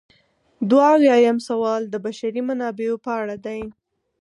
دوه اویایم سوال د بشري منابعو په اړه دی.